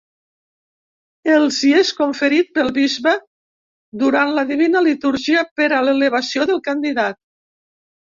Els hi és conferit pel bisbe durant la Divina Litúrgia per a l'elevació del candidat.